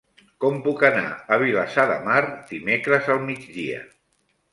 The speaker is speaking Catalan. Com puc anar a Vilassar de Mar dimecres al migdia?